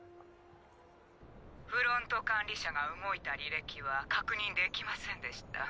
フロント管理社が動いた履歴は確認できませんでした。